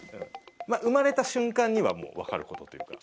生まれた瞬間にはもうわかる事というか。